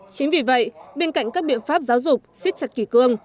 chính vì vậy bên cạnh các biện pháp giáo dục siết chặt kỷ cương